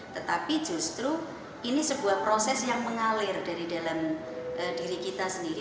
tetapi justru ini sebuah proses yang mengalir dari dalam diri kita sendiri